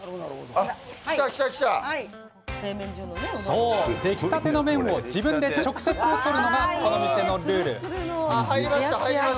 そう、出来たての麺を自分で直接取るのがこの店のルール。